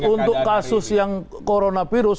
untuk kasus yang coronavirus